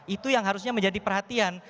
itu yang harusnya menjadi perhatian